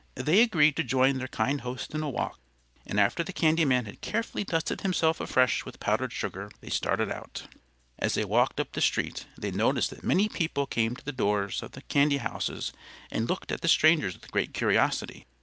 They agreed to join their kind host in a walk, and after the candy man had carefully dusted himself afresh with powdered sugar, they started out. As they walked up the street, they noticed that many people came to the doors of the candy houses and looked at the strangers with great curiosity.